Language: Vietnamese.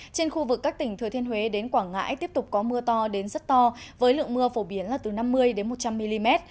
trên khu vực các tỉnh thừa thiên huế đến quảng ngãi tiếp tục có mưa to đến rất to với lượng mưa phổ biến là từ năm mươi một trăm linh mm